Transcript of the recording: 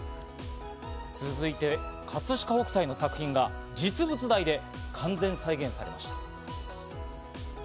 続いて葛飾北斎の作品が実物大で完全再現されました。